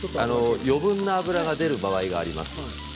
余分な脂が出る場合があります。